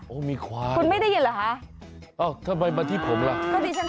โอ้มีควายคุณไม่ได้เห็นเหรอค่ะเอ้าคือมีคงก็ได้ฉัน